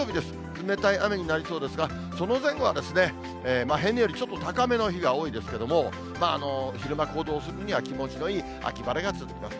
冷たい雨になりそうですが、その前後は、平年よりちょっと高めの日が多いですけども、昼間行動するには気持ちのいい秋晴れが続きます。